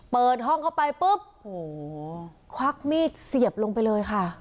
เปิดห้องเข้าไปปุ๊บโอ้โหควักมีดเสียบลงไปเลยค่ะ